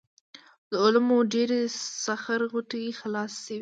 د علومو ډېرې سخر غوټې خلاصې شوې وې.